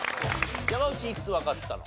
山内いくつわかったの？